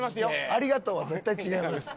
「ありがとう」は絶対違います。